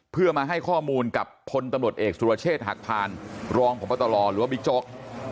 เพื่อมาให้ข้อมูลกับพลตำรวจเอกสุรเชษฐ์หักพานรองพบตรหรือว่าบิ๊กโจ๊ก